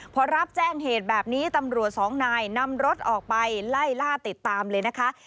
พอรับแจ้งเหตุแบบนี้ตำรวจสองนายนำรถออกไปไล่ล่าติดตามเลยนะคะ